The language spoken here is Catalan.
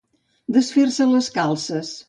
Desfer-se les calces.